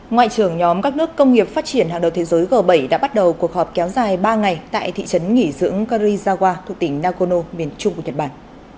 ngoại trưởng nhóm các nước công nghiệp phát triển hàng đầu thế giới g bảy đã bắt đầu cuộc họp kéo dài ba ngày tại thị trấn nghỉ dưỡng karia thuộc tỉnh nakono miền trung của nhật bản